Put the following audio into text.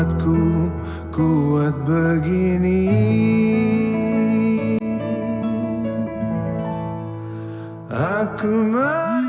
tapi kebahagiaannya lebih banyak